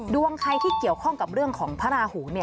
ดวงใครที่เกี่ยวข้องกับเรื่องของพระราหู